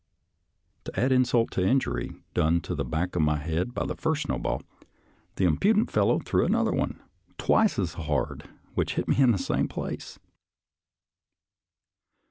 To add insult to the injury done to the back of my head by the first snow ball, the impudent fellow threw another, twice as hard, which hit me in the same place.